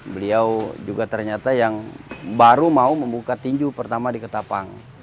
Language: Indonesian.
beliau juga ternyata yang baru mau membuka tinju pertama di ketapang